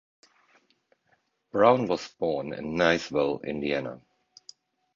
Brown was born in Nyesville, Indiana.